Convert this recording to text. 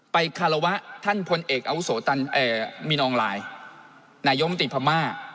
ไปคารวะท่านพลเอกเอาโสตันเอ่อมินออนไลน์นายมติภามาร์